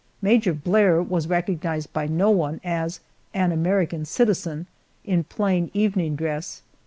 Major Blair was recognized by no one as "An American citizen," in plain evening dress.